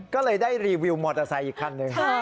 ก็เลยได้รีวิวมอเตอร์ไซค์อีกคันหนึ่ง